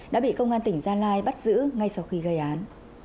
đã bị công an tỉnh gia lai bắt giữ ngay sau khi gây án